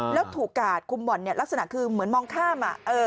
แล้วถูกกาดคุมบ่อนลักษณะคือเหมือนมองข้าม